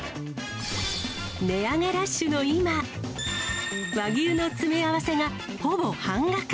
値上げラッシュの今、和牛の詰め合わせがほぼ半額。